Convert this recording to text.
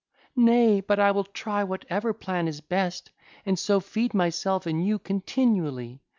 Nay, but I will try whatever plan is best, and so feed myself and you continually.